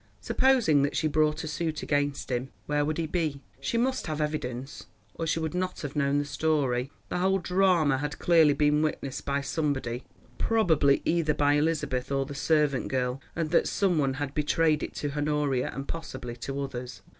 Supposing that she brought a suit against him where would he be? She must have evidence, or she would not have known the story. The whole drama had clearly been witnessed by someone, probably either by Elizabeth or the servant girl, and that some one had betrayed it to Honoria and possibly to others.